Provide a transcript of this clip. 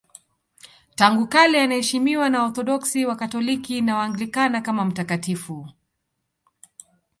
Tangu kale anaheshimiwa na Waorthodoksi, Wakatoliki na Waanglikana kama mtakatifu.